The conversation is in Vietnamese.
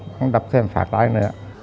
thằng đập thêm phát đai nữa